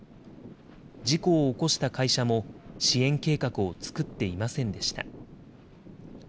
事故を起こした会社も、支援計画を作っていませんでした。